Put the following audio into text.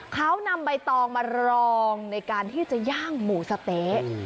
เขานำใบตองมารองในการที่จะย่างหมูสะเต๊ะ